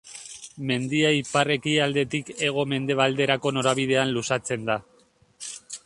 Mendia ipar-ekialdetik hego-mendebalderako norabidean luzatzen da.